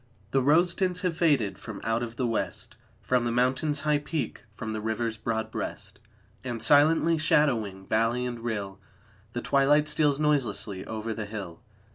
The rose tints have faded from out of the West, From the Mountain's high peak, from the river's broad breast. And, silently shadowing valley and rill, The twilight steals noiselessly over the hill.